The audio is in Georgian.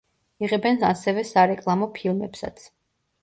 იღებენ ასევე სარეკლამო ფილმებსაც.